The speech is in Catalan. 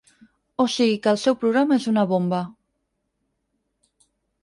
O sigui que el seu programa és una bomba.